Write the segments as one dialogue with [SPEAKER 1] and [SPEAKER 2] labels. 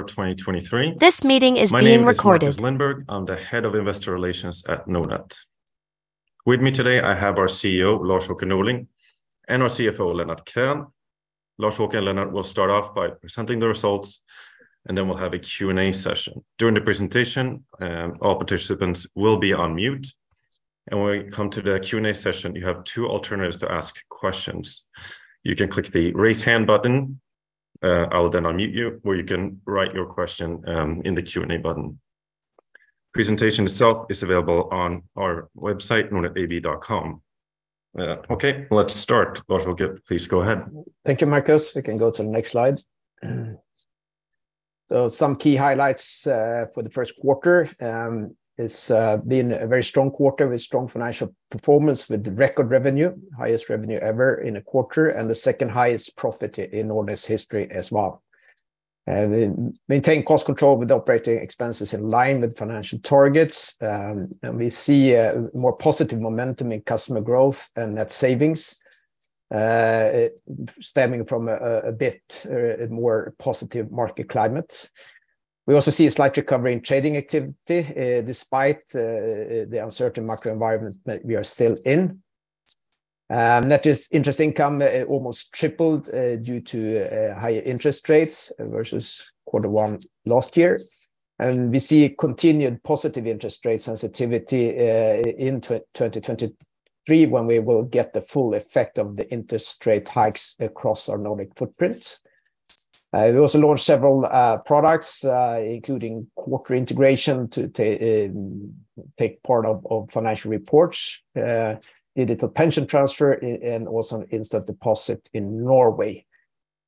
[SPEAKER 1] For 2023.
[SPEAKER 2] This meeting is being recorded.
[SPEAKER 1] My name is Marcus Lindberg. I'm the Head of Investor Relations at Nordnet. With me today, I have our CEO, Lars-Åke Norling, and our CFO, Lennart Krän. Lars-Åke and Lennart will start off by presenting the results, then we'll have a Q&A session. During the presentation, all participants will be on mute. When we come to the Q&A session, you have two alternatives to ask questions. You can click the Raise Hand button, I will then unmute you, or you can write your question in the Q&A button. Presentation itself is available on our website, nordnetab.com. Okay, let's start. Lars-Åke, please go ahead.
[SPEAKER 3] Thank you, Marcus. We can go to the next slide. Some key highlights for the first quarter been a very strong quarter with strong financial performance with record revenue, highest revenue ever in a quarter, and the second highest profit in all this history as well. We maintain cost control with operating expenses in line with financial targets. We see a more positive momentum in customer growth and net savings stemming from a bit more positive market climate. We also see a slight recovery in trading activity despite the uncertain macro environment that we are still in. Net interest income almost tripled due to higher interest rates versus quarter one last year. We see continued positive interest rate sensitivity into 2023 when we will get the full effect of the interest rate hikes across our Nordic footprints. We also launched several products, including Quarter integration to take part of financial reports, digital pension transfer, and also instant deposit in Norway.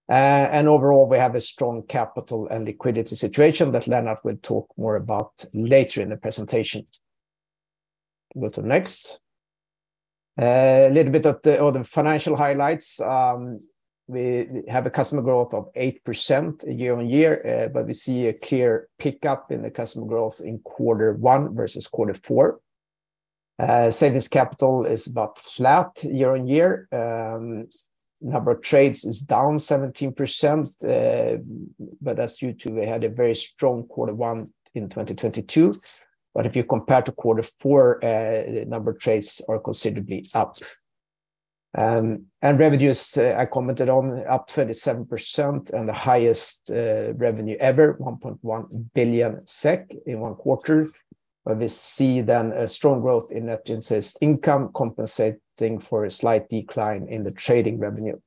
[SPEAKER 3] Overall, we have a strong capital and liquidity situation that Lennart will talk more about later in the presentation. Go to next. A little bit on the financial highlights. We have a customer growth of 8% year-on-year, but we see a clear pickup in the customer growth in Q1 versus Q4. Savings capital is about flat year-on-year. Number of trades is down 17%, but that's due to we had a very strong Quarter one in 2022. If you compare to Quarter four, number of trades are considerably up. Revenues, I commented on up 37% and the highest revenue ever, 1.1 billion SEK in one Quarter. We see then a strong growth in net interest income compensating for a slight decline in the trading revenue.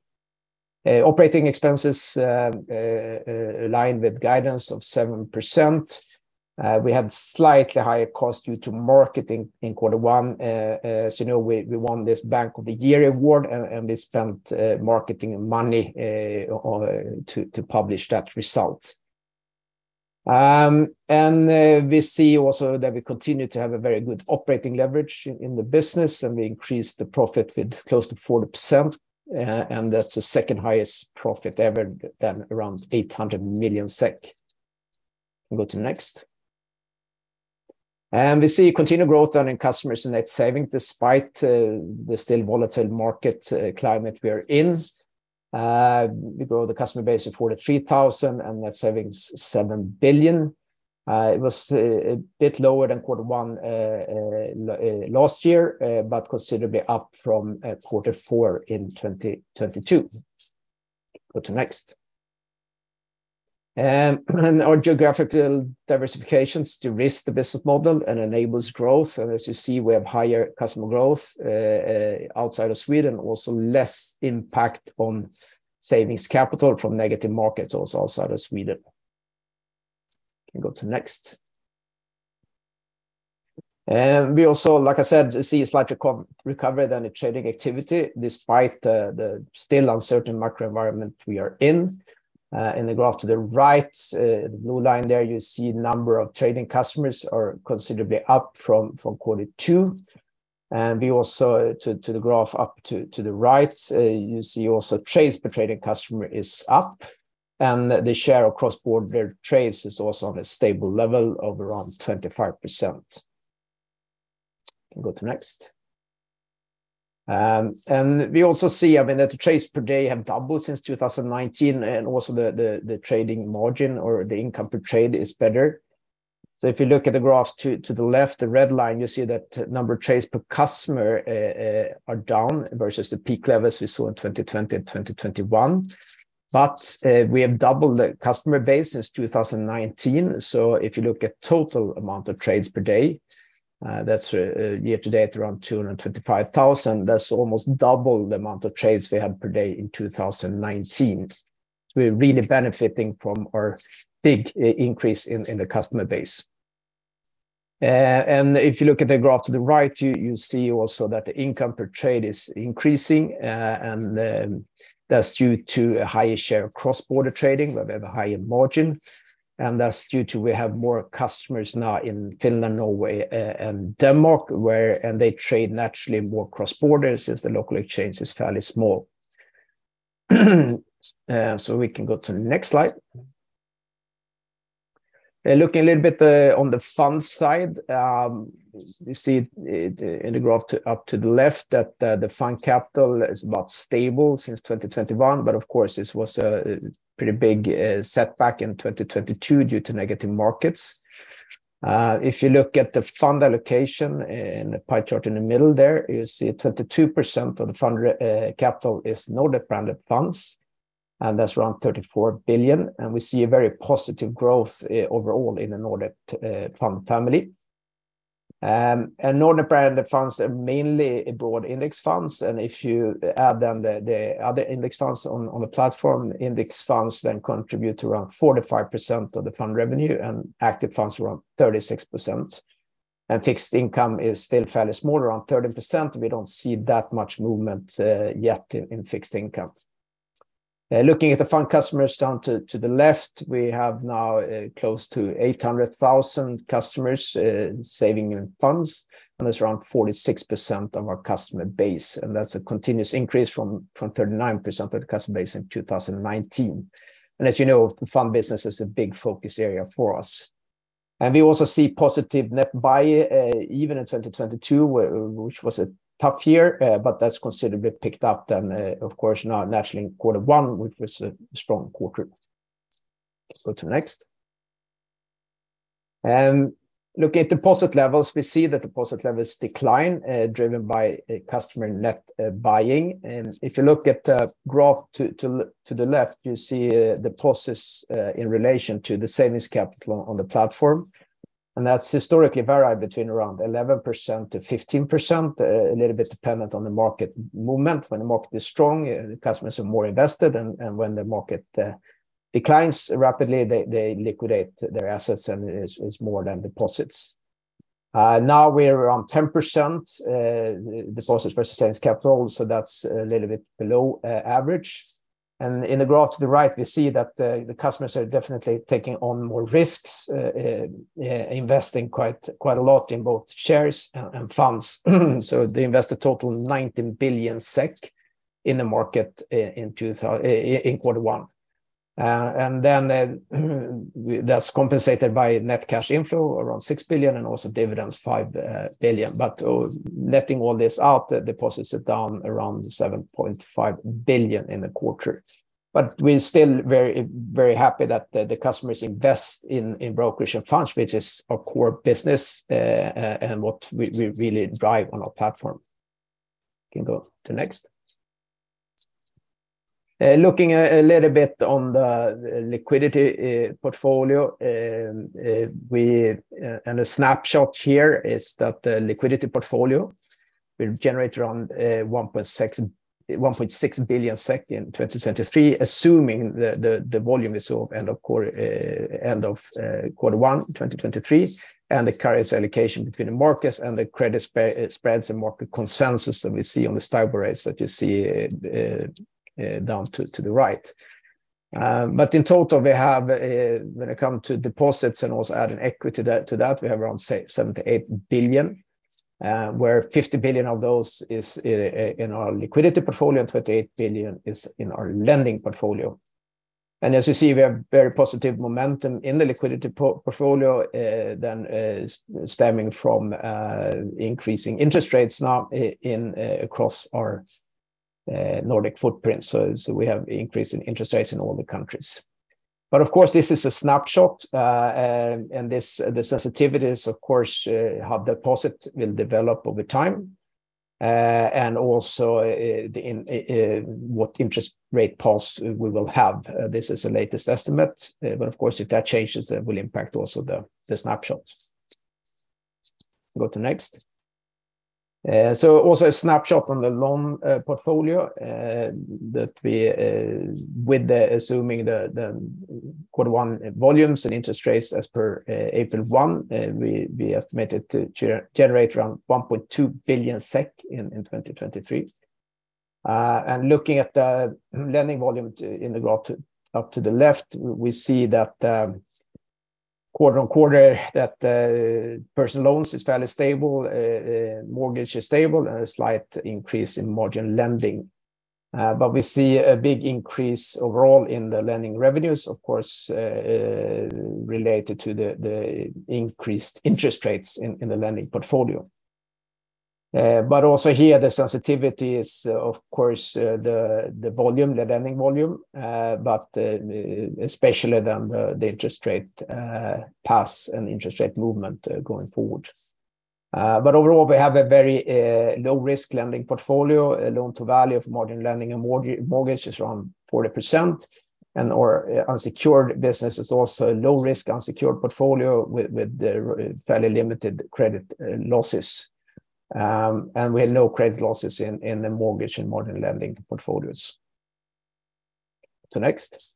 [SPEAKER 3] Operating expenses aligned with guidance of 7%. We had slightly higher cost due to marketing in Quarter one. As you know, we won this Bank of the Year award, and we spent marketing money to publish that result. We see also that we continue to have a very good operating leverage in the business, and we increased the profit with close to 40%, and that's the second highest profit ever than around 800 million SEK. We go to next. We see continued growth on in customers and net saving despite the still volatile market climate we are in. We grow the customer base of 43,000 and net savings 7 billion. It was a bit lower than Quarter one last year, but considerably up from Quarter four in 2022. Go to next. Our geographical diversifications de-risk the business model and enables growth. As you see, we have higher customer growth outside of Sweden, also less impact on savings capital from negative markets also outside of Sweden. We go to next. We also, like I said, see a slight recovery than the trading activity despite the still uncertain macro environment we are in. In the graph to the right, blue line there, you see the number of trading customers are considerably up from Quarter two. We also To the graph up to the right, you see also trades per trading customer is up, and the share of cross-border trades is also on a stable level of around 25%. We go to next. We also see, I mean, that the trades per day have doubled since 2019, and also the trading margin or the income per trade is better. If you look at the graphs to the left, the red line, you see that number of trades per customer are down versus the peak levels we saw in 2020 and 2021. We have doubled the customer base since 2019. If you look at total amount of trades per day, that's year-to-date around 225,000. That's almost double the amount of trades we had per day in 2019. We're really benefiting from our big increase in the customer base. If you look at the graph to the right, you see also that the income per trade is increasing, and that's due to a higher share of cross-border trading, where we have a higher margin. That's due to we have more customers now in Finland, Norway, and Denmark, where they trade naturally more cross-borders since the local exchange is fairly small. So we can go to the next slide. Looking a little bit on the fund side, you see in the graph up to the left that the fund capital is about stable since 2021, but of course, this was a pretty big setback in 2022 due to negative markets. If you look at the fund allocation in the pie chart in the middle there, you see 22% of the fund capital is Nordnet-branded funds, and that's around 34 billion. We see a very positive growth overall in the Nordnet fund family. Nordnet-branded funds are mainly broad index funds. If you add then the other index funds on the platform, index funds then contribute to around 45% of the fund revenue and active funds around 36%. Fixed income is still fairly small, around 13%. We don't see that much movement yet in fixed income. Looking at the fund customers down to the left, we have now close to 800,000 customers saving in funds, and it's around 46% of our customer base. That's a continuous increase from 39% of the customer base in 2019. As you know, the fund business is a big focus area for us. We also see positive net buy even in 2022, which was a tough year, but that's considerably picked up then, of course, now naturally in Quarter 1, which was a strong quarter. Go to next. Looking at deposit levels, we see the deposit levels decline, driven by customer net buying. If you look at the graph to the left, you see deposits in relation to the savings capital on the platform. That's historically varied between around 11%-15%, a little bit dependent on the market movement. When the market is strong, customers are more invested, and when the market declines rapidly, they liquidate their assets, and it is more than deposits. Now we're around 10% deposits versus savings capital, so that's a little bit below average. In the graph to the right, we see that the customers are definitely taking on more risks, investing quite a lot in both shares and funds. They invested total 19 billion SEK in the market in Quarter one. Then that's compensated by net cash inflow around 6 billion and also dividends 5 billion. Netting all this out, deposits are down around 7.5 billion in the Quarter. We're still very, very happy that the customers invest in brokerage and funds, which is our core business and what we really drive on our platform. Can go to next. Looking a little bit on the liquidity portfolio, and a snapshot here is that the liquidity portfolio will generate around 1.6 billion SEK in 2023, assuming the volume we saw end of Quarter one in 2023, and the current allocation between the markets and the credit spreads and market consensus that we see on the STIBOR rates that you see down to the right. In total, we have, when it come to deposits and also adding equity to that, we have around 7 billion-8 billion, where 50 billion of those is in our liquidity portfolio and 28 billion is in our lending portfolio. As you see, we have very positive momentum in the liquidity portfolio, stemming from increasing interest rates now in across our Nordic footprint. We have increase in interest rates in all the countries. Of course, this is a snapshot, the sensitivities, of course, how deposits will develop over time, and also in what interest rate pulse we will have. This is the latest estimate. Of course, if that changes, that will impact also the snapshot. Go to next. Also a snapshot on the loan portfolio that we with assuming the quarter one volumes and interest rates as per April one, we estimated to generate around 1.2 billion SEK in 2023. Looking at the lending volume in the graph up to the left, we see that quarter-on-quarter, personal loans is fairly stable, mortgage is stable, and a slight increase in margin lending. We see a big increase overall in the lending revenues, of course, related to the increased interest rates in the lending portfolio. Also here, the sensitivity is, of course, the volume, the lending volume, especially then the interest rate paths and interest rate movement going forward. Overall, we have a very low-risk lending portfolio. A loan-to-value of margin lending and mortgage is around 40%. Our unsecured business is also a low-risk unsecured portfolio with fairly limited credit losses. We have no credit losses in the mortgage and margin lending portfolios. To next.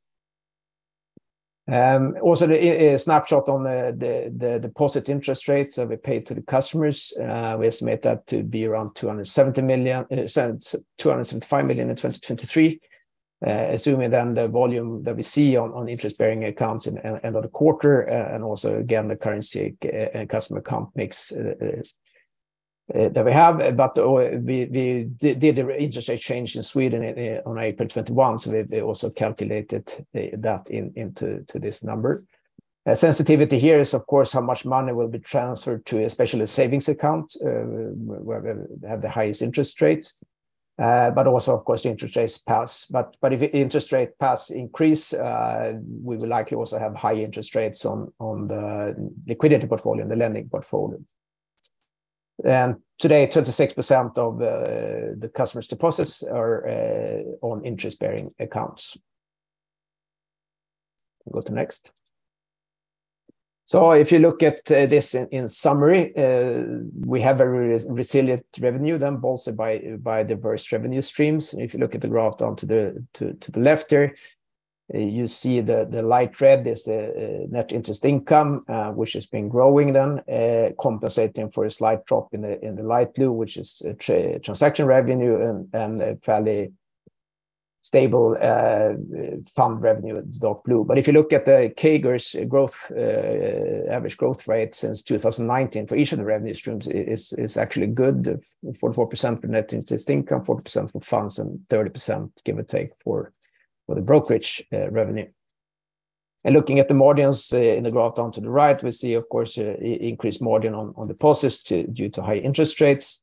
[SPEAKER 3] Also the a snapshot on the, the deposit interest rates that we pay to the customers. We estimate that to be around 270 million, sorry, 275 million in 2023, assuming then the volume that we see on interest-bearing accounts in end of the Quarter, and also again, the currency and customer comp mix that we have. We did the interest rate change in Sweden in on April 21, so we also calculated that into this number. Sensitivity here is of course how much money will be transferred to especially savings account, where we have the highest interest rates, but also of course the interest rate paths. If interest rate pass increase, we will likely also have high interest rates on the liquidity portfolio and the lending portfolio. Today, 36% of the customer's deposits are on interest-bearing accounts. Go to next. If you look at this in summary, we have a resilient revenue then bolstered by diverse revenue streams. If you look at the graph down to the left there, you see the light red is the net interest income, which has been growing then, compensating for a slight drop in the light blue, which is transaction revenue and a fairly stable fund revenue at dark blue. If you look at the CAGRs growth average growth rate since 2019 for each of the revenue streams is actually good, 44% for net interest income, 40% for funds, and 30% give or take for the brokerage revenue. Looking at the margins, in the graph down to the right, we see of course, increased margin on deposits due to high interest rates.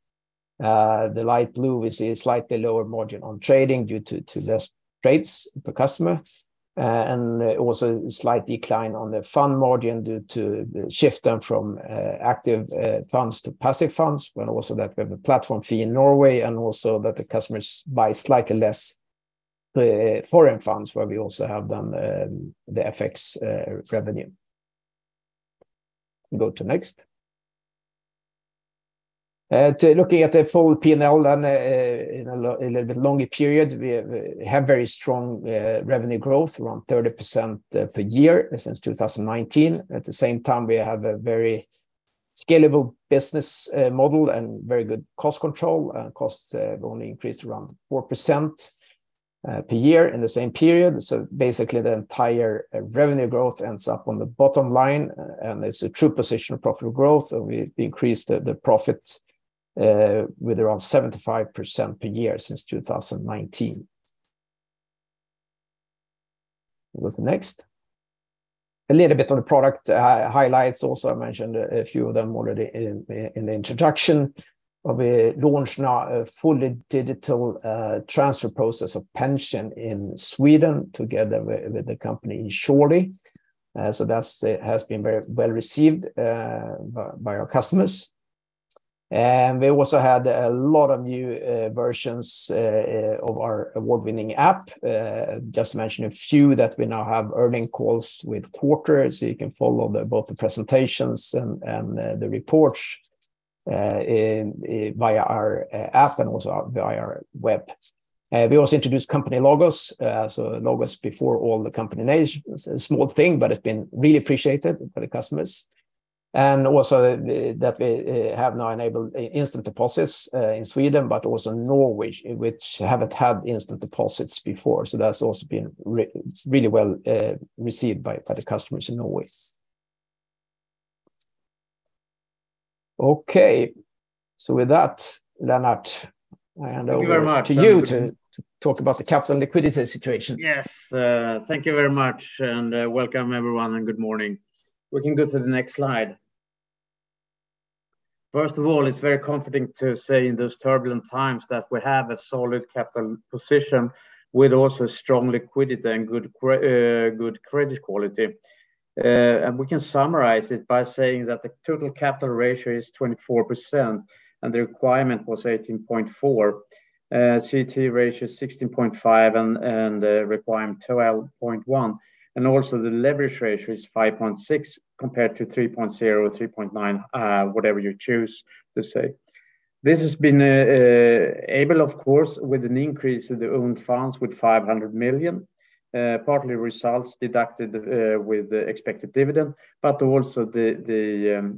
[SPEAKER 3] The light blue we see a slightly lower margin on trading due to less trades per customer, and also a slight decline on the fund margin due to the shift then from active funds to passive funds, but also that we have a platform fee in Norway and also that the customers buy slightly less foreign funds where we also have then, the FX revenue. Go to next. To looking at the full P&L and in a little bit longer period, we have very strong revenue growth, around 30% per year since 2019. At the same time, we have a very scalable business model and very good cost control, and costs only increased around 4% per year in the same period. Basically, the entire revenue growth ends up on the bottom line, and it's a true position of profitable growth, and we've increased the profit with around 75% per year since 2019. Go to next. A little bit on the product highlights also. I mentioned a few of them already in the introduction of a launch now a fully digital transfer process of pension in Sweden together with the company Insurely. That's has been very well-received by our customers. We also had a lot of new versions of our award-winning app. Just mention a few that we now have earnings calls with Quarter, so you can follow both the presentations and the reports via our app and also via our web. We also introduced company logos, so logos before all the company names. It's a small thing, but it's been really appreciated by the customers. Also, we have now enabled instant deposits in Sweden but also Norway, which haven't had instant deposits before. That's also been really well received by the customers in Norway. Okay. With that, Lennart, I hand over-
[SPEAKER 4] Thank you very much....
[SPEAKER 3] to you to talk about the capital and liquidity situation.
[SPEAKER 4] Yes. Thank you very much, welcome everyone, good morning. We can go to the next slide. First of all, it's very comforting to say in those turbulent times that we have a solid capital position with also strong liquidity and good credit quality. We can summarize it by saying that the Total Capital Ratio is 24%, and the requirement was 18.4%. CET1 ratio is 16.5% and the requirement 12.1%. Also the leverage ratio is 5.6% compared to 3.0%, 3.9%, whatever you choose to say. This has been able of course with an increase in the Own Funds with 500 million, partly results deducted, with the expected dividend, but also the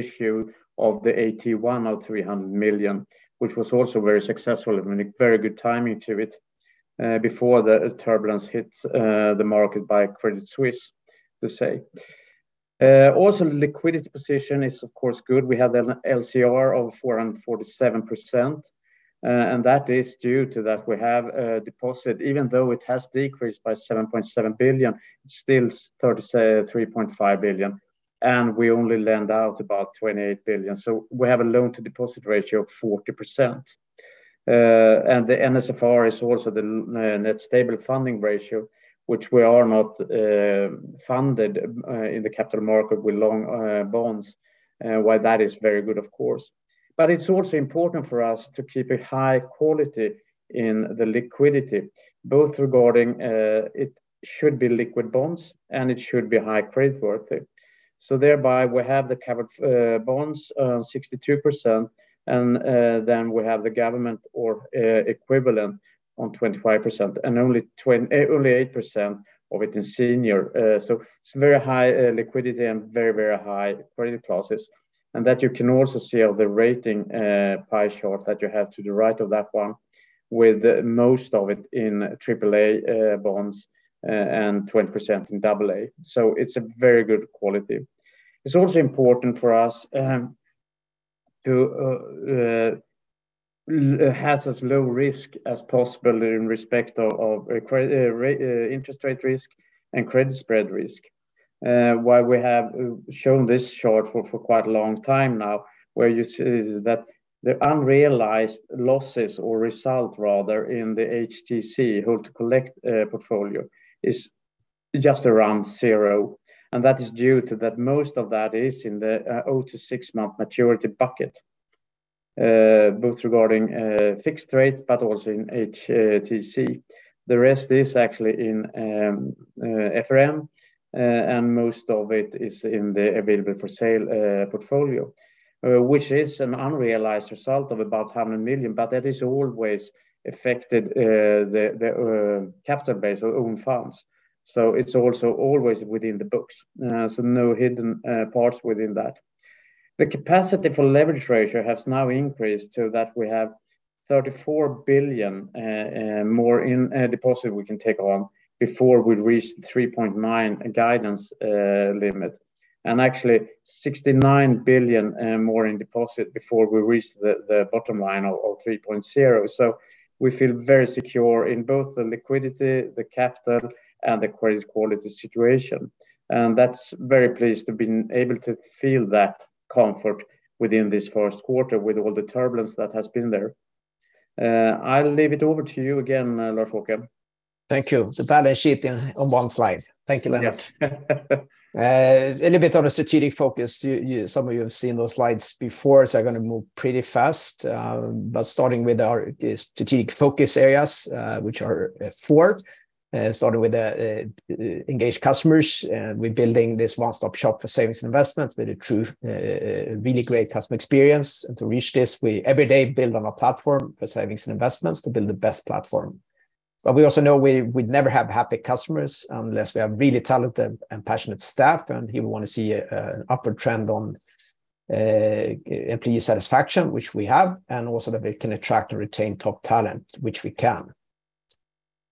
[SPEAKER 4] issue of the AT1 of 300 million, which was also very successful and a very good timing to it, before the turbulence hits the market by Credit Suisse, to say. Liquidity position is of course good. We have an LCR of 447%, and that is due to that we have a deposit. Even though it has decreased by 7.7 billion, it's still 3.5 billion, and we only lend out about 28 billion. We have a loan-to-deposit ratio of 40%. The NSFR is also the net stable funding ratio, which we are not funded in the capital market with long bonds, while that is very good of course. It's also important for us to keep a high quality in the liquidity, both regarding, it should be liquid bonds and it should be high creditworthy. Thereby we have the covered bonds, 62%, and then we have the government or equivalent on 25%, and only 8% of it in senior. It's very high liquidity and very high credit classes. That you can also see on the rating pie chart that you have to the right of that one, with most of it in triple A bonds, and 20% in double A. It's a very good quality. It's also important for us to has as low risk as possible in respect of credit interest rate risk and credit spread risk. Why we have shown this chart for quite a long time now, where you see that the unrealized losses or result rather in the HTC, Hold to Collect, portfolio is just around 0, and that is due to that most of that is in the 6-month maturity bucket. Both regarding fixed rate, but also in HTC. The rest is actually in FRN, and most of it is in the Available for Sale portfolio, which is an unrealized result of about 100 million, but that is always affected the capital base or Own Funds. It's also always within the books. No hidden parts within that. The capacity for leverage ratio has now increased to that we have 34 billion more in deposit we can take on before we reach 3.9 guidance limit. Actually 69 billion more in deposit before we reach the bottom line of 3.0. We feel very secure in both the liquidity, the capital and the credit quality situation. That's very pleased to been able to feel that comfort within this first Quarter with all the turbulence that has been there. I'll leave it over to you again, Lars-Håkan.
[SPEAKER 3] Thank you. The balance sheet in, on one slide. Thank you, Lennart.
[SPEAKER 4] Yes.
[SPEAKER 3] A little bit on a strategic focus. You, some of you have seen those slides before, so I'm gonna move pretty fast. Starting with our strategic focus areas, which are four, starting with engaged customers. We're building this one-stop shop for savings and investment with a true, really great customer experience. And to reach this, we every day build on our platform for savings and investments to build the best platform. We also know we never have happy customers unless we have really talented and passionate staff. Here we wanna see an upward trend on employee satisfaction, which we have, and also that we can attract and retain top talent, which we can.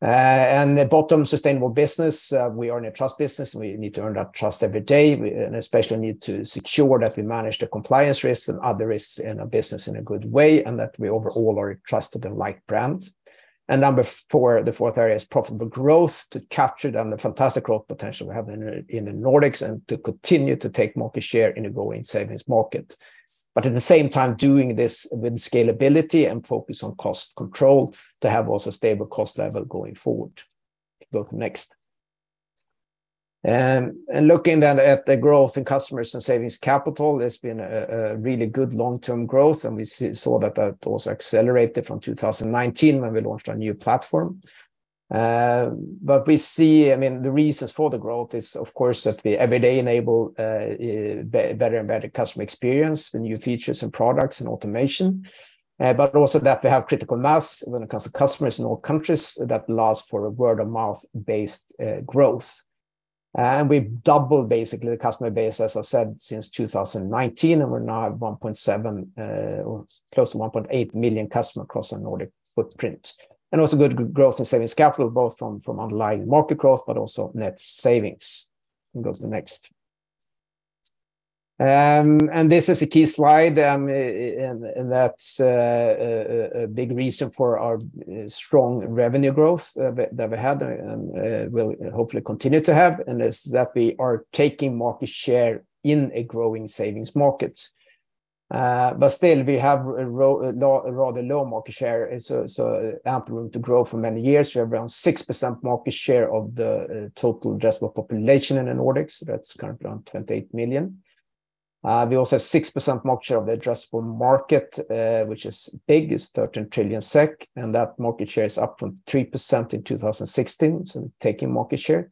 [SPEAKER 3] The bottom sustainable business, we are in a trust business, and we need to earn that trust every day. And especially need to secure that we manage the compliance risks and other risks in our business in a good way, and that we overall are a trusted and liked brand. Number four, the fourth area is profitable growth to capture the fantastic growth potential we have in the Nordics and to continue to take market share in a growing savings market. At the same time, doing this with scalability and focus on cost control to have also stable cost level going forward. Go to next. Looking then at the growth in customers and savings capital, it's been a really good long-term growth, and we saw that that also accelerated from 2019 when we launched our new platform. We see, I mean, the reasons for the growth is, of course, that we every day enable better and better customer experience and new features and products and automation, also that we have critical mass when it comes to customers in all countries that allows for a word-of-mouth-based growth. We've doubled basically the customer base, as I said, since 2019, and we're now at 1.7, or close to 1.8 million customer across our Nordic footprint. Also good growth in savings capital, both from underlying market growth, but also net savings. We can go to the next. This is a key slide, and that's a big reason for our strong revenue growth that we had, will hopefully continue to have, and is that we are taking market share in a growing savings market. Still we have a rather low market share, so ample room to grow for many years. We have around 6% market share of the total addressable population in the Nordics. That's currently around 28 million. We also have 6% market share of the addressable market, which is big, it's 13 trillion SEK, and that market share is up from 3% in 2016, taking market share.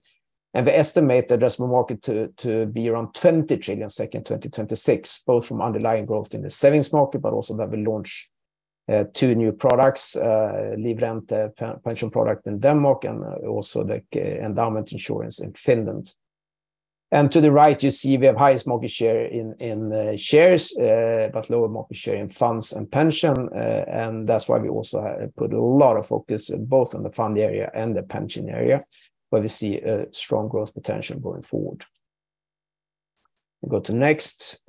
[SPEAKER 3] We estimate the addressable market to be around 20 trillion SEK in 2026, both from underlying growth in the savings market, but also that we launch two new products, Livrente pension product in Denmark and also the endowment insurance in Finland. To the right, you see we have highest market share in shares, but lower market share in funds and pension. That's why we also put a lot of focus both on the fund area and the pension area, where we see a strong growth potential going forward. We go to next.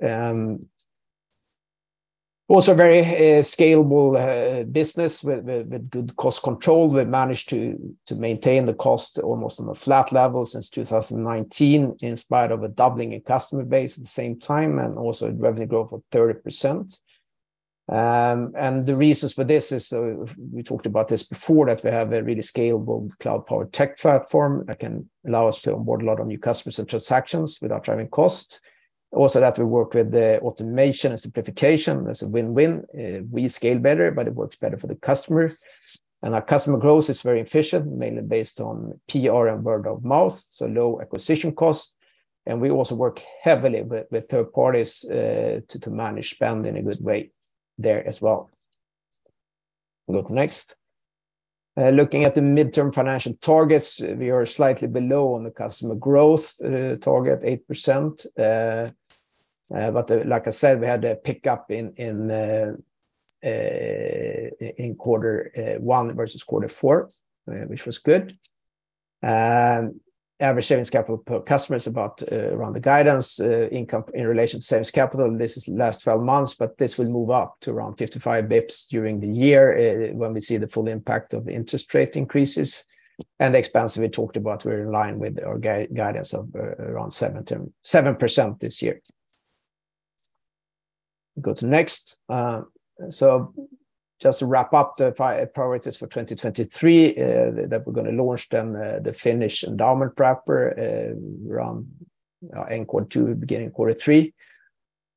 [SPEAKER 3] Also very scalable business with good cost control. We've managed to maintain the cost almost on a flat level since 2019, in spite of a doubling in customer base at the same time and also revenue growth of 30%. The reasons for this is, we talked about this before, that we have a really scalable cloud-powered tech platform that can allow us to onboard a lot of new customers and transactions without driving costs. Also that we work with the automation and simplification. That's a win-win. We scale better, but it works better for the customer. Our customer growth is very efficient, mainly based on PR and word of mouth, so low acquisition costs. We also work heavily with third parties to manage spend in a good way there as well. We go to next. Looking at the midterm financial targets, we are slightly below on the customer growth target, 8%. Like I said, we had a pickup in quarter 1 versus quarter 4, which was good. Average savings capital per customers about around the guidance, income in relation to savings capital. This is last 12 months, but this will move up to around 55 BPS during the year, when we see the full impact of interest rate increases. The expense we talked about, we're in line with our guidance of around 7% this year. Go to next. Just to wrap up the priorities for 2023, that we're gonna launch then, the Finnish endowment wrapper, around, you know, end quarter 2, beginning quarter 3.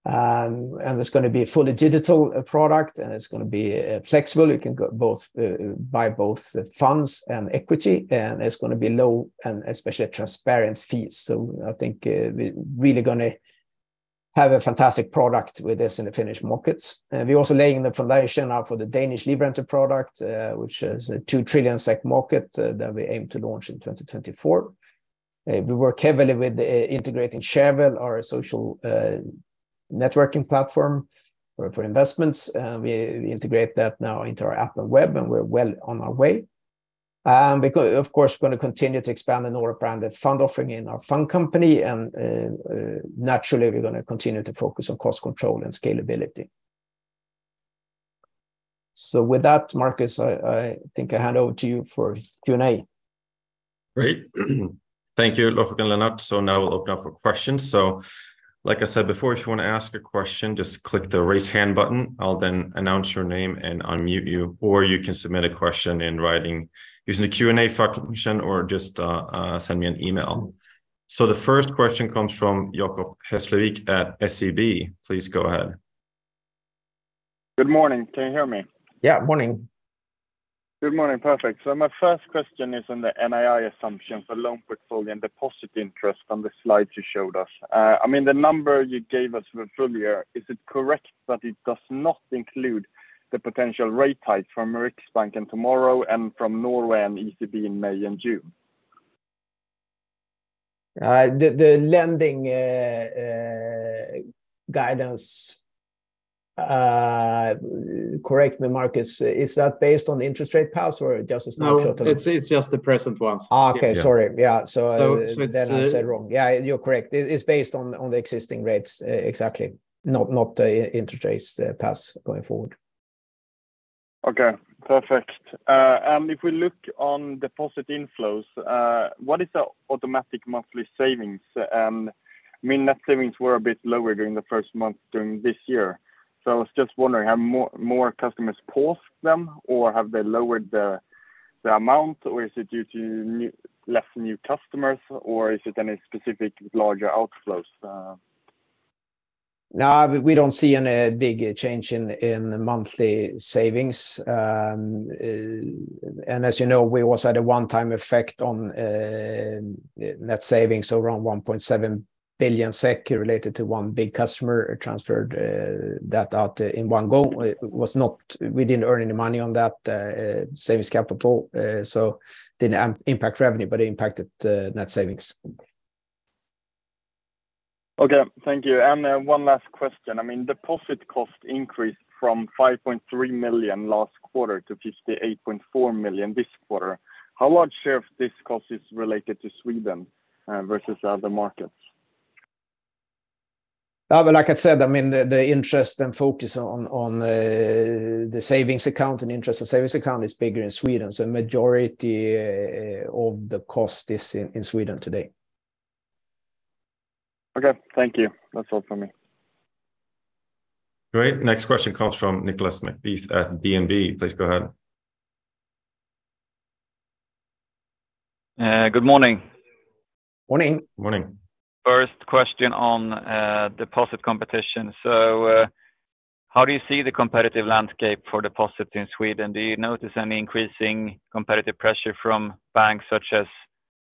[SPEAKER 3] It's gonna be a fully digital product, it's gonna be flexible. You can go buy both funds and equity, it's gonna be low and especially transparent fees. I think, we're really gonna have a fantastic product with this in the Finnish markets. We're also laying the foundation now for the Danish Livrente product, which is a 2 trillion SEK market that we aim to launch in 2024. We work heavily with integrating Shareville, our social networking platform for investments. We integrate that now into our app and web, and we're well on our way. We of course, gonna continue to expand the Nordnet-branded fund offering in our fund company, and naturally, we're gonna continue to focus on cost control and scalability. With that, Marcus, I think I hand over to you for Q&A.
[SPEAKER 1] Great. Thank you, Lars and Lennart. Now we'll open up for questions. Like I said before, if you wanna ask a question, just click the Raise Hand button. I'll then announce your name and unmute you, or you can submit a question in writing using the Q&A function, or just send me an email. The first question comes from Jacob Hesslevik at SEB. Please go ahead.
[SPEAKER 5] Good morning. Can you hear me?
[SPEAKER 3] Yeah. Morning.
[SPEAKER 5] Good morning. Perfect. My first question is on the NII assumption for loan portfolio and deposit interest on the slides you showed us. I mean, the number you gave us for full year, is it correct that it does not include the potential rate hike from Riksbank and tomorrow and from Norway and ECB in May and June?
[SPEAKER 3] The, the lending guidance, correct me, Marcus, is that based on interest rate paths or just a snapshot?
[SPEAKER 1] No, it's just the present ones.
[SPEAKER 3] Okay. Sorry. Yeah.
[SPEAKER 1] It's.
[SPEAKER 3] I said wrong. Yeah, you're correct. It's based on the existing rates. Exactly. Not the interest rates paths going forward.
[SPEAKER 5] Okay. Perfect. If we look on deposit inflows, what is the automatic monthly savings? I mean, net savings were a bit lower during the first month during this year. I was just wondering, have more customers paused them, or have they lowered the amount, or is it due to less new customers, or is it any specific larger outflows?
[SPEAKER 3] No, we don't see any big change in monthly savings. As you know, we also had a one-time effect on net savings around 1.7 billion SEK related to one big customer transferred that out in one go. We didn't earn any money on that savings capital, but it impacted net savings.
[SPEAKER 5] Okay. Thank you. One last question. I mean, deposit cost increased from 5.3 million last quarter to 58.4 million this quarter. How large share of this cost is related to Sweden versus other markets?
[SPEAKER 3] But like I said, I mean, the interest and focus on the savings account and interest and savings account is bigger in Sweden. Majority of the cost is in Sweden today.
[SPEAKER 5] Okay. Thank you. That's all for me.
[SPEAKER 1] Great. Next question comes from Nicolas McBeath at DNB. Please go ahead.
[SPEAKER 6] Good morning.
[SPEAKER 3] Morning.
[SPEAKER 1] Morning.
[SPEAKER 6] First question on deposit competition. How do you see the competitive landscape for deposits in Sweden? Do you notice any increasing competitive pressure from banks such as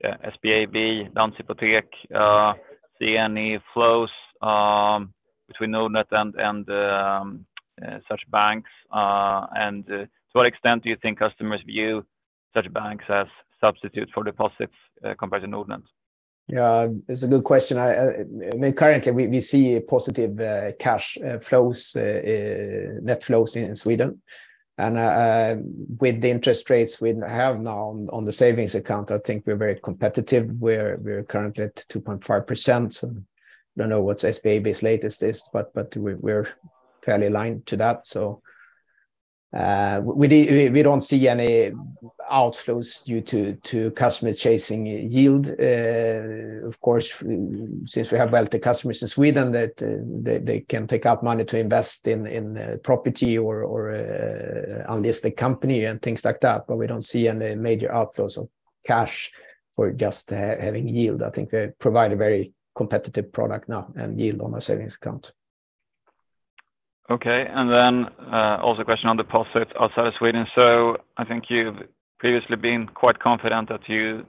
[SPEAKER 6] SBAB, Länsförsäkringar, see any flows between Nordnet and such banks? To what extent do you think customers view such banks as substitutes for deposits compared to Nordnet?
[SPEAKER 3] Yeah. It's a good question. Currently, we see positive cash flows, net flows in Sweden. With the interest rates we have now on the savings account, I think we're very competitive. We're currently at 2.5%. Don't know what SBAB's latest is, but we're fairly aligned to that. We don't see any outflows due to customer chasing yield. Of course, since we have wealthy customers in Sweden that they can take out money to invest in property or on listing company and things like that, but we don't see any major outflows of cash for just having yield. I think they provide a very competitive product now and yield on our savings account.
[SPEAKER 6] Okay. Also a question on deposits outside of Sweden. You've previously been quite confident that you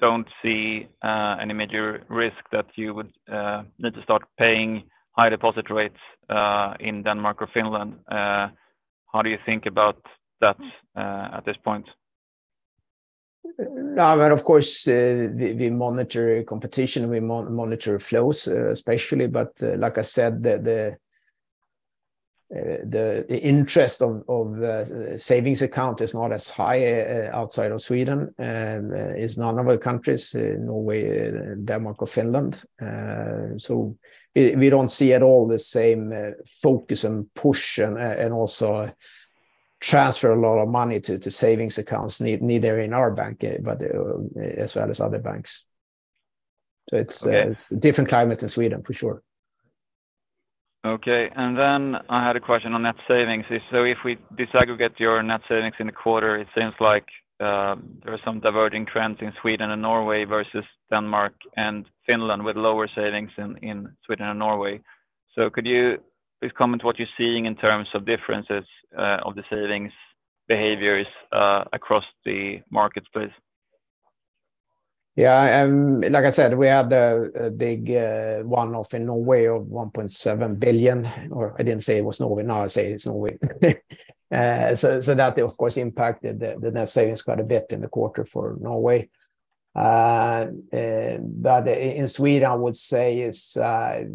[SPEAKER 6] don't see any major risk that you would need to start paying high deposit rates in Denmark or Finland. How do you think about that at this point?
[SPEAKER 3] Of course, we monitor competition, we monitor flows, especially. Like I said, the interest of savings account is not as high outside of Sweden, as none of our countries, Norway, Denmark or Finland. We don't see at all the same focus and push and also transfer a lot of money to savings accounts neither in our bank, but as well as other banks.
[SPEAKER 6] Okay.
[SPEAKER 3] It's a different climate in Sweden for sure.
[SPEAKER 6] I had a question on net savings. If we disaggregate your net savings in the Quarter, it seems like there are some diverting trends in Sweden and Norway versus Denmark and Finland with lower savings in Sweden and Norway. Could you please comment what you're seeing in terms of differences of the savings behaviors across the markets, please?
[SPEAKER 3] Yeah. like I said, we had a big one-off in Norway of 1.7 billion, or I didn't say it was Norway. Now I say it's Norway. that of course impacted the net savings quite a bit in the Quarter for Norway. in Sweden, I would say it's, I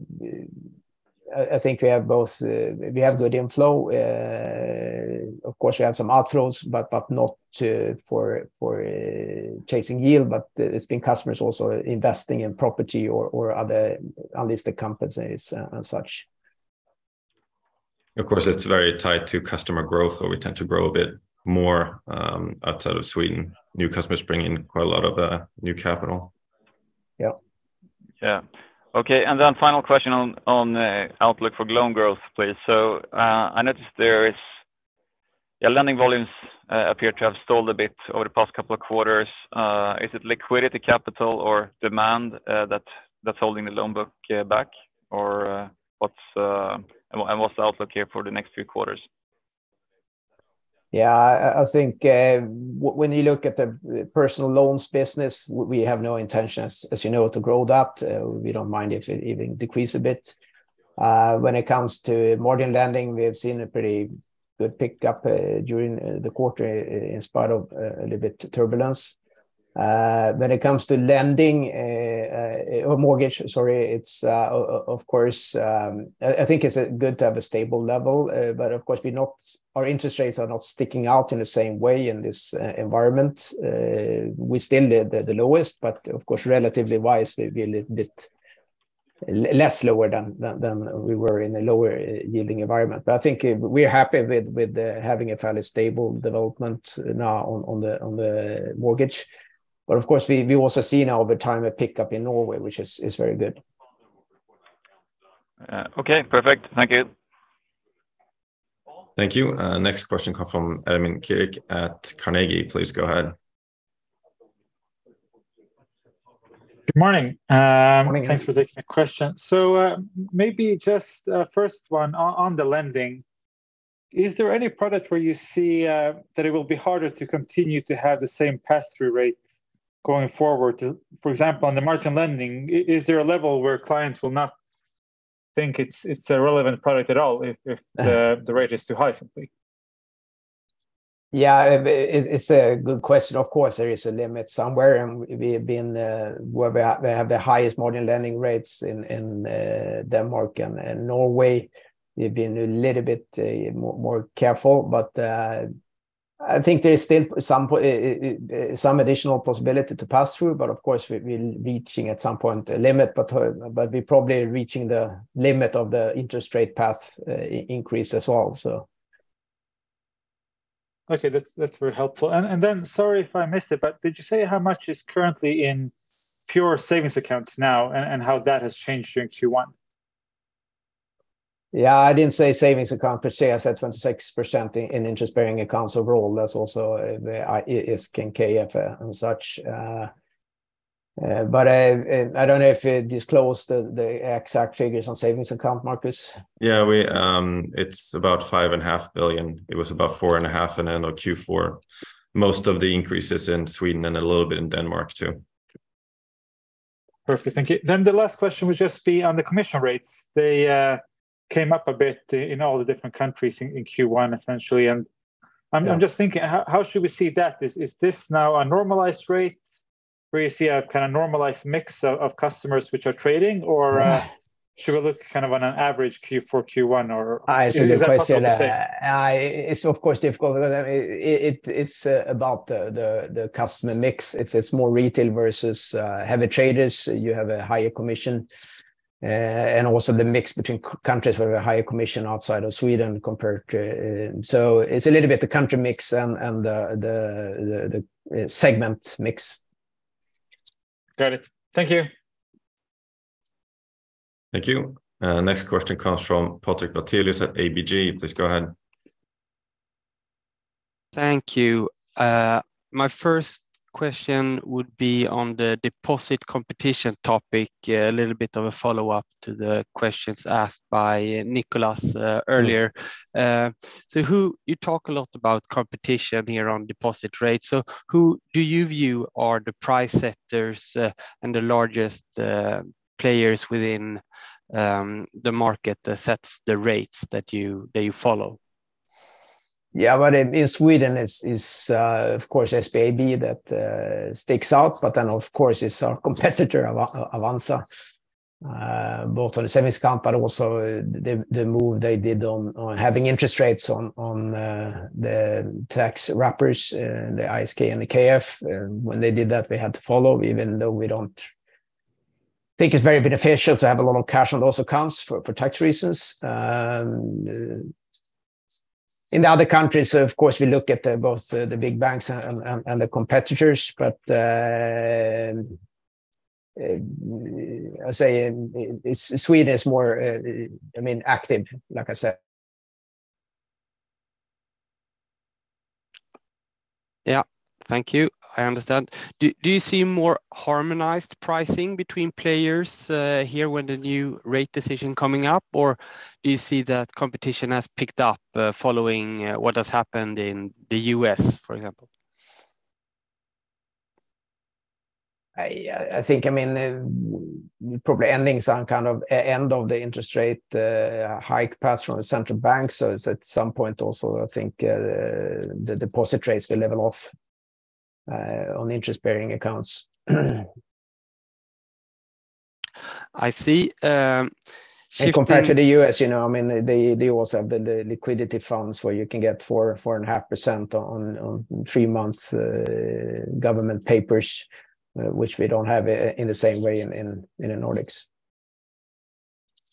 [SPEAKER 3] think we have both we have good inflow. of course, we have some outflows, but not to chasing yield, but it's been customers also investing in property or other unlisted companies and such.
[SPEAKER 6] Of course, it's very tied to customer growth, or we tend to grow a bit more, outside of Sweden. New customers bring in quite a lot of new capital.
[SPEAKER 3] Yeah.
[SPEAKER 6] Yeah. Okay. Final question on outlook for loan growth, please. I noticed your lending volumes appear to have stalled a bit over the past couple of quarters. Is it liquidity capital or demand that's holding the loan book back? What's And what's the outlook here for the next few quarters?
[SPEAKER 3] I think when you look at the personal loans business, we have no intentions, as you know, to grow that. We don't mind if it even decrease a bit. When it comes to mortgage lending, we have seen a pretty good pickup during the Quarter in spite of a little bit turbulence. When it comes to lending, or mortgage, sorry, it's of course, I think it's good to have a stable level. Of course, our interest rates are not sticking out in the same way in this environment. We're still the lowest, of course, relatively wise, we're a little bit less lower than we were in a lower yielding environment. I think we're happy with having a fairly stable development now on the mortgage. Of course, we also see now over time a pickup in Norway, which is very good.
[SPEAKER 6] okay, perfect. Thank you.
[SPEAKER 1] Thank you. next question come from Ermin Keric at Carnegie. Please go ahead.
[SPEAKER 7] Good morning.
[SPEAKER 3] Morning Ermin.
[SPEAKER 7] Thanks for taking the question. Maybe just first one on the lending. Is there any product where you see that it will be harder to continue to have the same pass-through rates going forward? For example, on the margin lending, is there a level where clients will not think it's a relevant product at all.
[SPEAKER 3] Mm-hmm
[SPEAKER 7] the rate is too high for me?
[SPEAKER 3] Yeah, it's a good question. Of course, there is a limit somewhere. We have been where we have the highest margin lending rates in Denmark and Norway. We've been a little bit more careful, but I think there's still some additional possibility to pass through. Of course, we've been reaching at some point a limit, but we're probably reaching the limit of the interest rate path increase as well.
[SPEAKER 7] Okay. That's very helpful. Then sorry if I missed it, but did you say how much is currently in pure savings accounts now and how that has changed during Q1?
[SPEAKER 3] Yeah, I didn't say savings account per se. I said 26% in interest-bearing accounts overall. That's also is Kapitalförsäkring and such. I don't know if it disclosed the exact figures on savings account, Marcus.
[SPEAKER 6] Yeah, It's about five and a half billion. It was about four and a half in end of Q4. Most of the increase is in Sweden and a little bit in Denmark, too.
[SPEAKER 7] Perfect. Thank you. The last question would just be on the commission rates. They came up a bit in all the different countries in Q1, essentially.
[SPEAKER 3] Yeah
[SPEAKER 7] I'm just thinking, how should we see that? Is this now a normalized rate where you see a kind of normalized mix of customers which are trading? Should we look kind of on an average Q4, Q1, or is it possible to say?
[SPEAKER 3] It's a good question. It's of course difficult. It's about the, the customer mix. If it's more retail versus heavy traders, you have a higher commission. And also the mix between countries with a higher commission outside of Sweden. It's a little bit the country mix and the, the segment mix.
[SPEAKER 7] Got it. Thank you.
[SPEAKER 1] Thank you. next question comes from Patrik Brattelius at ABG. Please go ahead.
[SPEAKER 8] Thank you. My first question would be on the deposit competition topic, a little bit of a follow-up to the questions asked by Nicolas.
[SPEAKER 3] Mm-hmm...
[SPEAKER 8] earlier. You talk a lot about competition here on deposit rates. Who do you view are the price setters, and the largest players within the market that sets the rates that you follow?
[SPEAKER 3] In Sweden it's of course SBAB that sticks out, but then of course it's our competitor, Avanza, both on the savings account, but also the move they did on having interest rates on the tax wrappers, the ISK and the KF. When they did that, we had to follow, even though we don't think it's very beneficial to have a lot of cash on those accounts for tax reasons. In the other countries, of course, we look at both the big banks and the competitors. I'd say in Sweden it's more I mean, active, like I said.
[SPEAKER 8] Yeah. Thank you. I understand. Do you see more harmonized pricing between players here when the new rate decision coming up? Or do you see that competition has picked up following what has happened in the U.S., for example?
[SPEAKER 3] I think, I mean, probably ending some kind of end of the interest rate hike path from the central bank. It's at some point also I think, the deposit rates will level off on interest-bearing accounts.
[SPEAKER 8] I see.
[SPEAKER 3] Compared to the US, you know, I mean, they also have the liquidity funds where you can get 4-4.5% on three months government papers, which we don't have in the same way in the Nordics.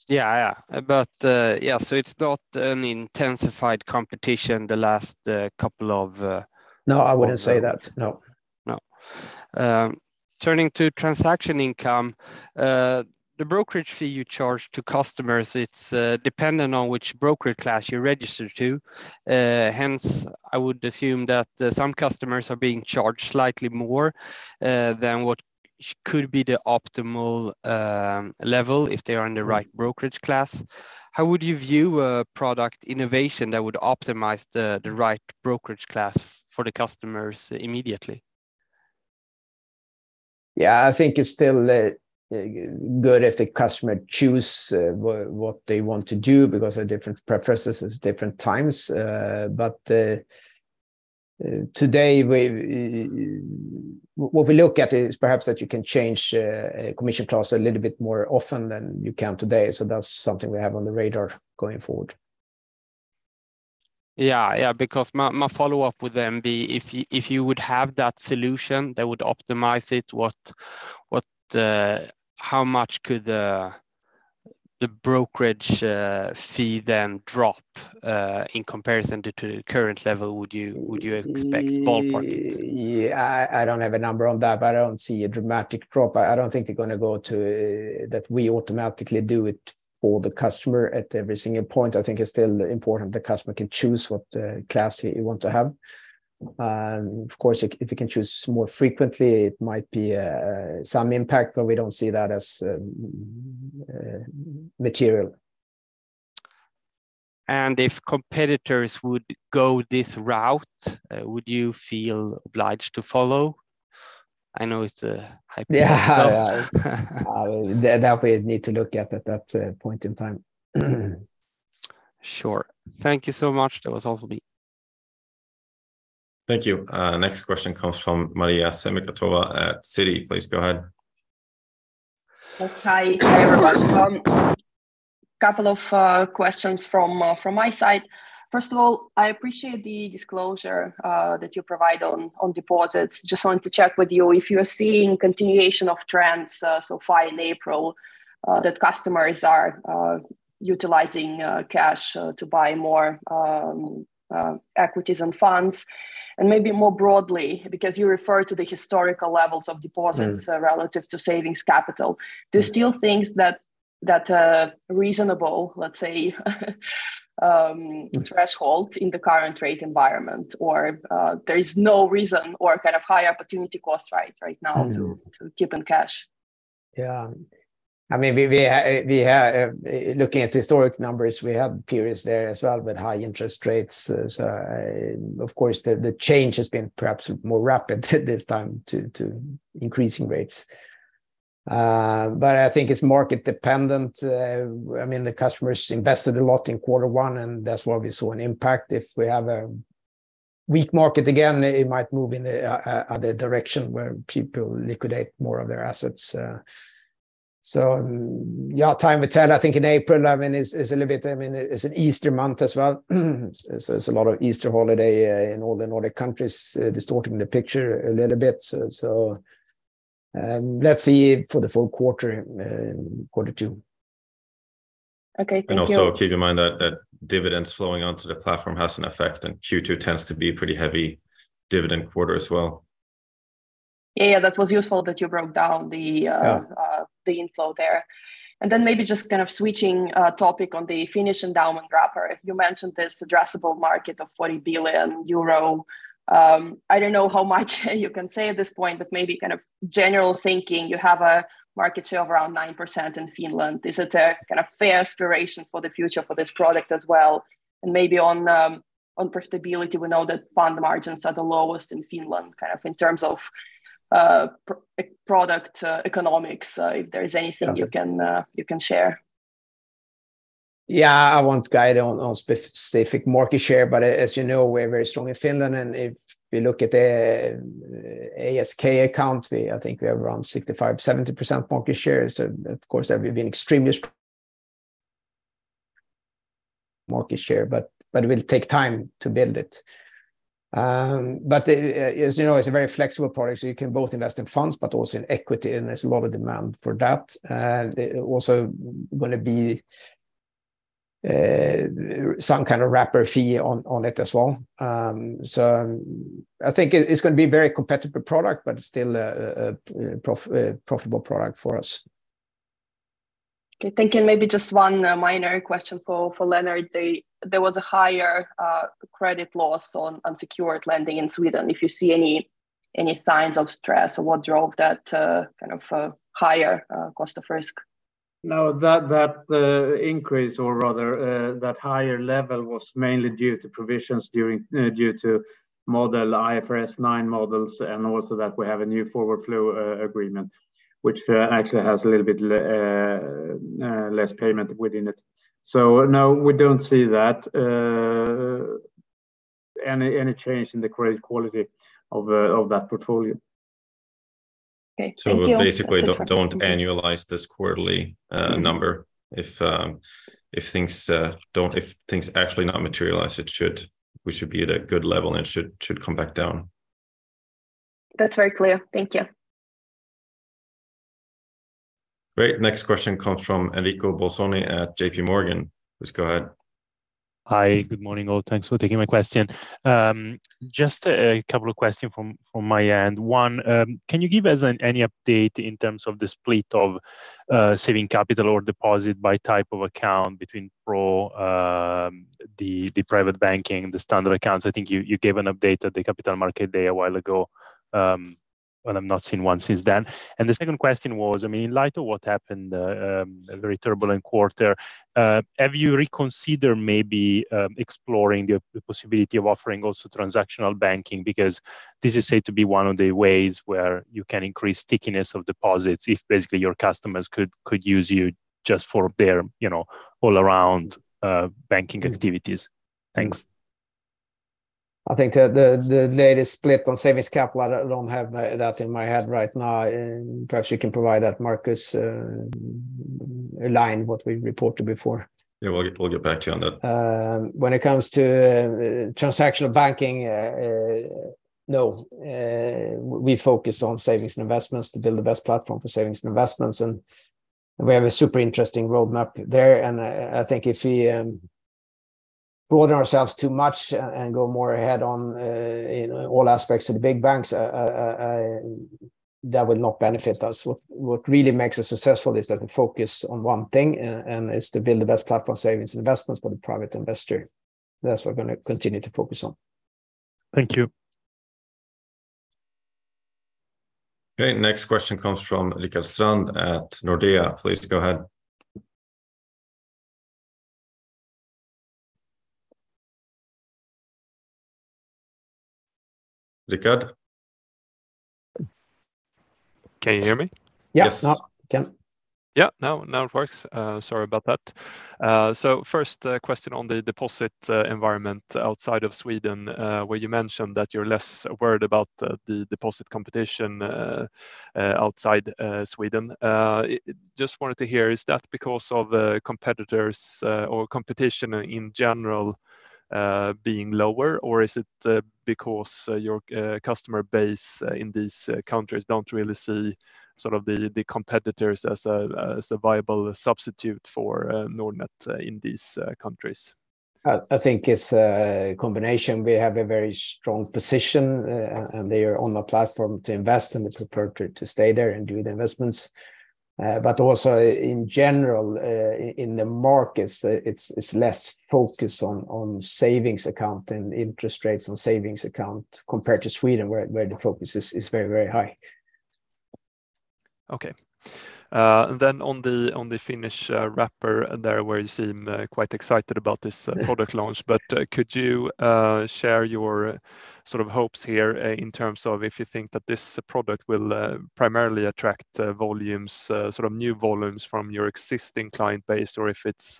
[SPEAKER 8] Yeah. Yeah. yeah, so it's not an intensified competition the last, couple of,
[SPEAKER 3] No, I wouldn't say that. No.
[SPEAKER 8] No. Turning to transaction income, the brokerage fee you charge to customers, it's dependent on which brokerage class you're registered to. Hence, I would assume that some customers are being charged slightly more than what could be the optimal level if they are in the right brokerage class. How would you view a product innovation that would optimize the right brokerage class for the customers immediately?
[SPEAKER 3] Yeah. I think it's still good if the customer choose what they want to do because of different preferences at different times. Today what we look at is perhaps that you can change a commission class a little bit more often than you can today. That's something we have on the radar going forward.
[SPEAKER 8] Yeah. Yeah. My, my follow-up would then be if you would have that solution that would optimize it, what, how much could the brokerage fee then drop in comparison to the current level, would you expect ballpark it?
[SPEAKER 3] Yeah. I don't have a number on that. I don't see a dramatic drop. I don't think you're gonna go that we automatically do it for the customer at every single point. I think it's still important the customer can choose what class he want to have. Of course, if you can choose more frequently, it might be some impact. We don't see that as material.
[SPEAKER 8] If competitors would go this route, would you feel obliged to follow? I know it's a hypothetical question.
[SPEAKER 3] Yeah. That we need to look at at that point in time.
[SPEAKER 8] Sure. Thank you so much. That was all for me.
[SPEAKER 1] Thank you. next question comes from Maria Semikhatova at Citi. Please go ahead.
[SPEAKER 9] Yes. Hi. Hi, everyone. Couple of questions from my side. First of all, I appreciate the disclosure that you provide on deposits. Just wanted to check with you if you are seeing continuation of trends so far in April that customers are utilizing cash to buy more equities and funds. Maybe more broadly, because you refer to the historical levels of deposits.
[SPEAKER 3] Mm.
[SPEAKER 9] relative to savings capital.
[SPEAKER 3] Mm.
[SPEAKER 9] Do you still think that a reasonable, let's say, threshold in the current rate environment or there is no reason or kind of high opportunity cost right now?
[SPEAKER 3] Mm.
[SPEAKER 9] to keep in cash?
[SPEAKER 3] Yeah. I mean, we have Looking at historic numbers, we have periods there as well with high interest rates. Of course the change has been perhaps more rapid this time to increasing rates. I think it's market dependent. I mean, the customers invested a lot in Quarter one, and that's why we saw an impact. If we have a weak market again, it might move in a other direction where people liquidate more of their assets. Yeah, time will tell. I think in April, I mean, it's an Easter month as well, so it's a lot of Easter holiday in all the Nordic countries, distorting the picture a little bit. Let's see for the full Quarter in Quarter two.
[SPEAKER 9] Okay. Thank you.
[SPEAKER 1] Also keep in mind that dividends flowing onto the platform has an effect, and Q2 tends to be a pretty heavy dividend quarter as well.
[SPEAKER 9] Yeah. That was useful that you broke down the.
[SPEAKER 3] Yeah.
[SPEAKER 9] the inflow there. maybe just kind of switching topic on the Finnish endowment wrapper. You mentioned this addressable market of 40 billion euro. I don't know how much you can say at this point, but maybe kind of general thinking. You have a market share of around 9% in Finland. Is it a kind of fair aspiration for the future for this product as well? maybe on profitability, we know that fund margins are the lowest in Finland, kind of in terms of product economics. If there's anything-
[SPEAKER 3] Okay.
[SPEAKER 9] you can share.
[SPEAKER 3] Yeah, I won't guide on specific market share, but as you know, we're very strong in Finland, and if we look at the ASK account, I think we have around 65%, 70% market share. Of course that we've been extremely... market share, but it will take time to build it. But as you know, it's a very flexible product, so you can both invest in funds but also in equity, and there's a lot of demand for that. And it also gonna be some kind of wrapper fee on it as well. I think it's gonna be a very competitive product, but still a profitable product for us.
[SPEAKER 9] Okay. Thank you. Maybe just one minor question for Lennart. There was a higher credit loss on unsecured lending in Sweden. If you see any signs of stress or what drove that kind of higher cost of risk?
[SPEAKER 4] No. That increase or rather, that higher level was mainly due to provisions during due to model IFRS 9 models and also that we have a new forward flow agreement, which actually has a little bit less payment within it. No, we don't see that any change in the credit quality of that portfolio.
[SPEAKER 9] Okay. Thank you.
[SPEAKER 1] Basically don't annualize this quarterly number. If things actually not materialize, we should be at a good level and it should come back down.
[SPEAKER 9] That's very clear. Thank you.
[SPEAKER 1] Great. Next question comes from Enrico Bolzoni at JP Morgan. Please go ahead.
[SPEAKER 10] Hi. Good morning, all. Thanks for taking my question. Just a couple of questions from my end. One, can you give us any update in terms of the split of saving capital or deposit by type of account between the private banking, the standard accounts? I think you gave an update at the Capital Market Day a while ago, but I've not seen one since then. The second question was, I mean, in light of what happened, a very turbulent Quarter, have you reconsidered maybe exploring the possibility of offering also transactional banking? Because this is said to be one of the ways where you can increase stickiness of deposits if basically your customers could use you just for their, you know, all around banking activities. Thanks.
[SPEAKER 3] I think the latest split on savings capital, I don't have that in my head right now. Perhaps you can provide that Marcus, a line what we reported before.
[SPEAKER 1] Yeah. We'll get back to you on that.
[SPEAKER 3] When it comes to transactional banking, no. We focus on savings and investments to build the best platform for savings and investments, and we have a super interesting roadmap there. I think if we broaden ourselves too much and go more ahead on, you know, all aspects of the big banks, that will not benefit us. What really makes us successful is that the focus on one thing and is to build the best platform savings and investments for the private investor. That's what we're gonna continue to focus on.
[SPEAKER 10] Thank you.
[SPEAKER 1] Okay. Next question comes from Rickard Strand at Nordea. Please go ahead. Rickard?
[SPEAKER 11] Can you hear me?
[SPEAKER 3] Yes.
[SPEAKER 1] Yes.
[SPEAKER 3] Now. Can.
[SPEAKER 11] Now it works. Sorry about that. First, question on the deposit environment outside of Sweden, where you mentioned that you're less worried about the deposit competition outside Sweden. Just wanted to hear, is that because of competitors or competition in general being lower or is it because your customer base in these countries don't really see sort of the competitors as a viable substitute for Nordnet in these countries?
[SPEAKER 3] I think it's a combination. We have a very strong position, and they are on the platform to invest and they prefer to stay there and do the investments. Also in general, in the markets, it's less focused on savings account and interest rates on savings account compared to Sweden where the focus is very high.
[SPEAKER 11] Okay. On the, on the Finnish wrapper there where you seem quite excited about this product launch, could you share your sort of hopes here in terms of if you think that this product will primarily attract volumes, sort of new volumes from your existing client base or if it's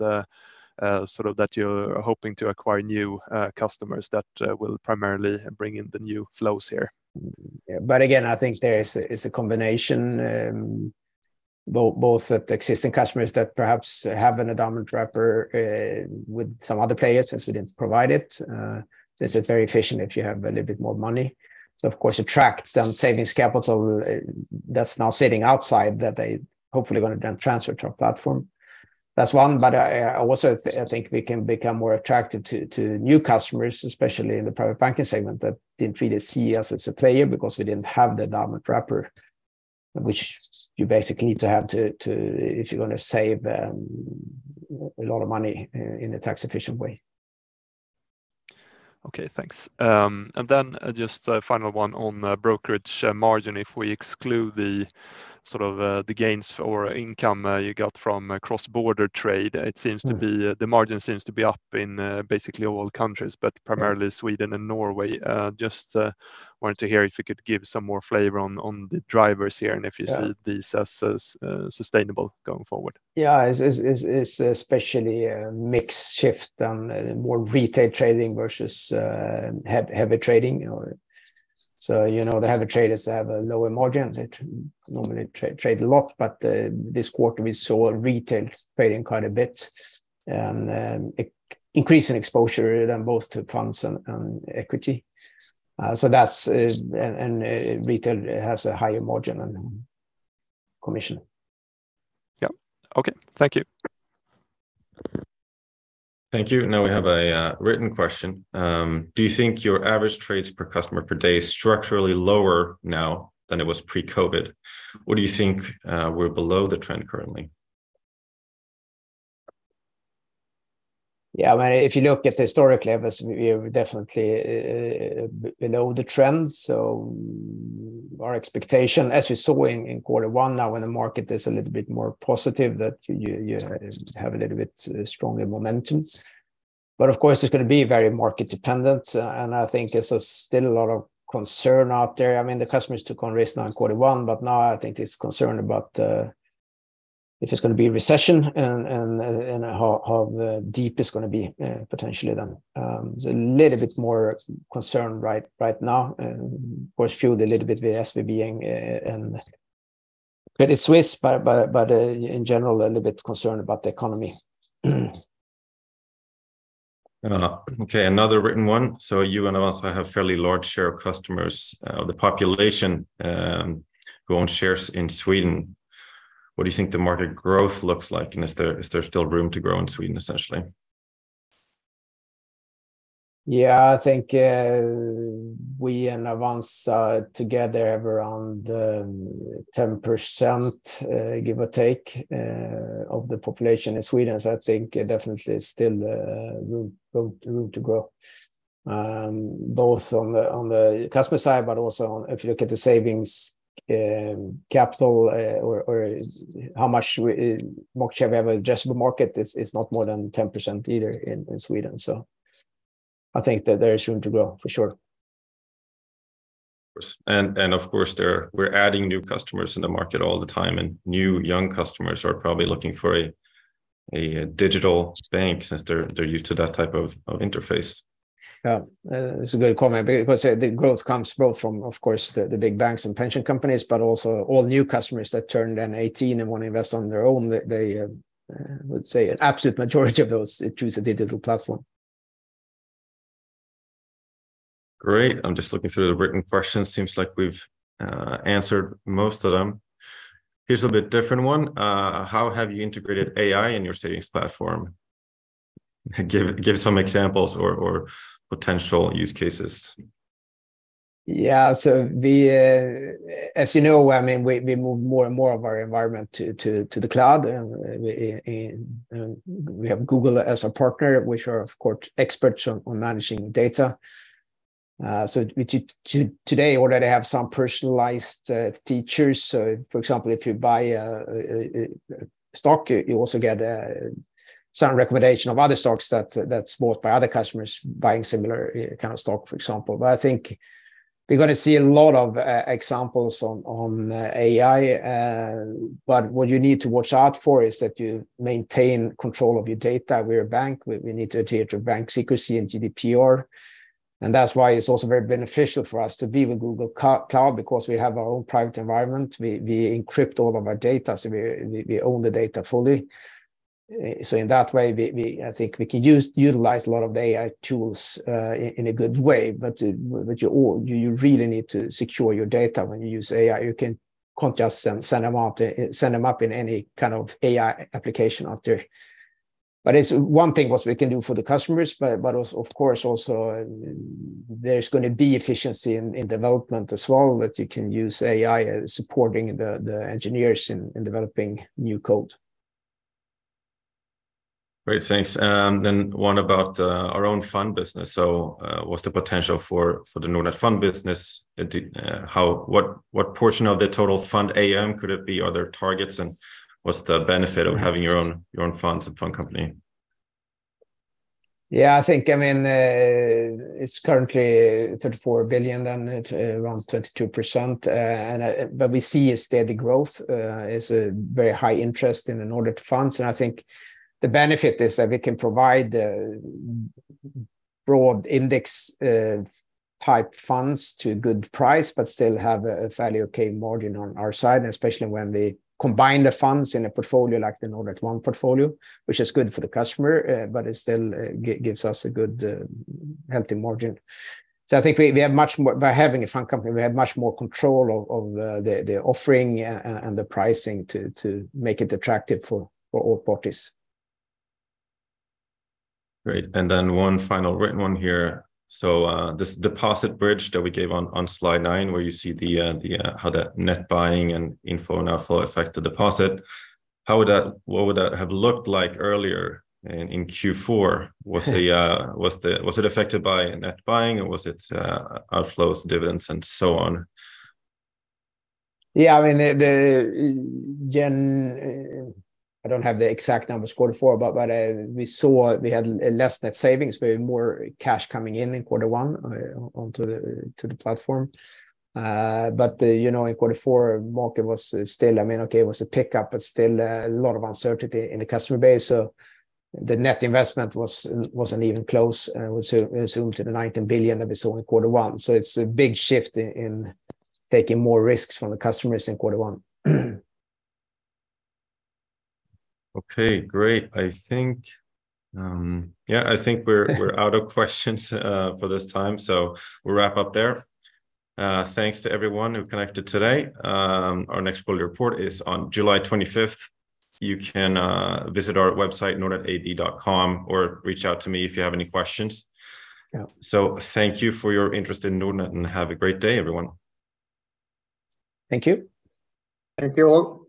[SPEAKER 11] sort of that you're hoping to acquire new customers that will primarily bring in the new flows here?
[SPEAKER 3] Again, I think there is a combination, both at existing customers that perhaps have an endowment wrapper with some other players since we didn't provide it. This is very efficient if you have a little bit more money. Of course, attract some savings capital that's now sitting outside that they hopefully gonna then transfer to our platform. That's one. I also think we can become more attractive to new customers, especially in the private banking segment that didn't really see us as a player because we didn't have the endowment wrapper, which you basically need to have to if you're gonna save a lot of money in a tax efficient way.
[SPEAKER 11] Okay, thanks. Just a final one on brokerage margin. If we exclude the sort of, the gains or income, you got from cross-border trade, it seems to be
[SPEAKER 3] Mm-hmm.
[SPEAKER 11] The margin seems to be up in basically all countries, but primarily Sweden and Norway. Just wanted to hear if you could give some more flavor on the drivers here.
[SPEAKER 3] Yeah.
[SPEAKER 11] These as sustainable going forward.
[SPEAKER 3] Yeah. Is especially a mix shift on more retail trading versus heavy trading. You know, the traders have a lower margin. They normally trade a lot, but this Quarter we saw retail trading quite a bit, and increase in exposure than both to funds and equity. That's. Retail has a higher margin and commission.
[SPEAKER 1] Yeah. Okay. Thank you. Thank you. Now we have a written question. Do you think your average trades per customer per day is structurally lower now than it was pre-COVID? Or do you think we're below the trend currently?
[SPEAKER 3] Yeah. I mean, if you look at the historical levels, we're definitely below the trend. Our expectation as we saw in Quarter one, now when the market is a little bit more positive, that you have a little bit stronger momentum. Of course, it's gonna be very market dependent, and I think there's a still a lot of concern out there. I mean, the customers took on risk now in Quarter one, but now I think there's concern about if it's gonna be recession and how deep it's gonna be potentially then. There's a little bit more concern right now, of course fueled a little bit with SVB and Credit Suisse, but in general a little bit concerned about the economy.
[SPEAKER 1] Okay, another written one. You and Avanza have fairly large share of customers of the population who own shares in Sweden. What do you think the market growth looks like? Is there still room to grow in Sweden essentially?
[SPEAKER 3] Yeah. I think we and Avanza together have around 10% give or take of the population in Sweden. I think definitely still room to grow both on the customer side, but also on, if you look at the savings capital or What share we have adjustable market, it's not more than 10% either in Sweden. I think that there is room to grow for sure.
[SPEAKER 1] Of course. We're adding new customers in the market all the time, and new young customers are probably looking for a digital bank since they're used to that type of interface.
[SPEAKER 3] Yeah. It's a good comment because the growth comes both from, of course, the big banks and pension companies, but also all new customers that turned then 18 and wanna invest on their own. They let's say an absolute majority of those choose a digital platform.
[SPEAKER 1] Great. I'm just looking through the written questions. Seems like we've answered most of them. Here's a bit different one. How have you integrated AI in your savings platform? Give some examples or potential use cases.
[SPEAKER 3] We, as you know, we move more and more of our environment to the cloud, and we have Google as a partner, which are of course, experts on managing data. So we today already have some personalized features. So for example, if you buy a stock, you also get some recommendation of other stocks that's bought by other customers buying similar kind of stock, for example. I think we're gonna see a lot of examples on AI. What you need to watch out for is that you maintain control of your data. We're a bank. We need to adhere to bank secrecy and GDPR. That's why it's also very beneficial for us to be with Google Cloud because we have our own private environment. We encrypt all of our data, so we own the data fully. In that way, we, I think we can utilize a lot of AI tools in a good way, but you really need to secure your data when you use AI. You can't just send them out, send them up in any kind of AI application out there. It's one thing what we can do for the customers, but also of course there's gonna be efficiency in development as well that you can use AI, supporting the engineers in developing new code.
[SPEAKER 1] Great. Thanks. One about our own fund business. What's the potential for the Nordnet Fund business? What portion of the total fund AUM could it be? Are there targets, and what's the benefit of having your own funds and fund company?
[SPEAKER 3] Yeah. I think, I mean, it's currently 34 billion and at around 22%. We see a steady growth. It's a very high interest in Nordnet-branded funds, and I think the benefit is that we can provide broad index type funds to a good price, but still have a value, okay margin on our side, and especially when we combine the funds in a portfolio like the Nordnet One portfolio, which is good for the customer, but it still gives us a good, healthy margin. I think, By having a fund company, we have much more control of the offering and the pricing to make it attractive for all parties.
[SPEAKER 1] Great. One final written one here. This deposit bridge that we gave on Slide 9, where you see the how the net buying and inflow and outflow affect the deposit, what would that have looked like earlier in Q4? Was it affected by net buying or was it outflows, dividends and so on?
[SPEAKER 3] Yeah. I mean, again, I don't have the exact numbers quarter four, but we saw we had less net savings. We had more cash coming in in quarter one onto the platform. You know, in quarter four, market was still, I mean, okay, it was a pickup, but still a lot of uncertainty in the customer base. The net investment was, wasn't even close to the 19 billion that we saw in quarter one. It's a big shift in taking more risks from the customers in quarter one.
[SPEAKER 1] Great. I think we're out of questions for this time, so we'll wrap up there. Thanks to everyone who connected today. Our next board report is on July 25th. You can visit our website, nordnetab.com, or reach out to me if you have any questions.
[SPEAKER 3] Yeah.
[SPEAKER 1] Thank you for your interest in Nordnet, and have a great day, everyone.
[SPEAKER 3] Thank you. Thank you all.